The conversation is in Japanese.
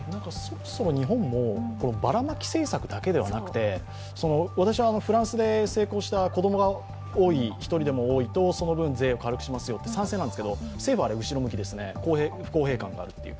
日本もバラマキ政策だけでなくて、フランスでは子供が多い１人でも多いと税を減らしますよっていう私は賛成なんですけど政府はあれ、後ろ向きですね、不公平感があるという。